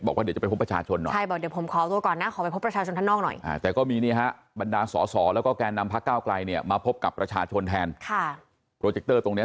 บอกว่าเดี๋ยวจะไปพบประชาชนหน่อย